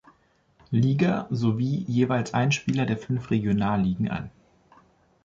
Liga sowie jeweils ein Spieler der fünf Regionalligen an.